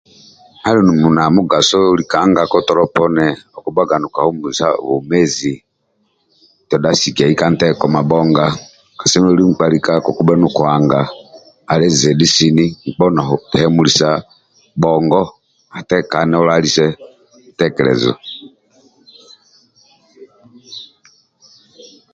Ali na mugaso lika angako tolo poni okubhaga nokahumulesa bwomezi todha sikiai ka nteko mabhonga kasemelelu nkpa likako kekebhe nokuanga ali zidhi sini nkpa oli na humulisa bhongo atakane olalise bitekelezo